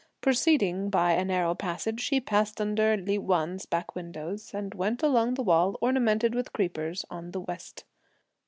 Proceeding by a narrow passage, she passed under Li Wan's back windows, and went along the wall ornamented with creepers on the west.